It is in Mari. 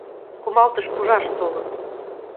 Кумалтыш пужаш толын...